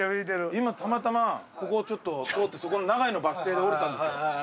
今たまたまここをちょっと通ってそこの長井のバス停で降りたんです。